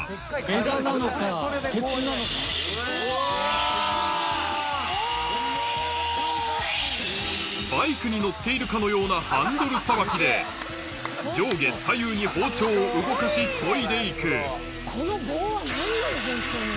うわ！に乗っているかのようなハンドルさばきで上下左右に包丁を動かし研いで行くこの棒は何なの？